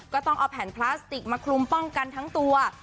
ก็ต้องเอาแผ่นพลาสติกมาคลุมป้องกันทั้งตัว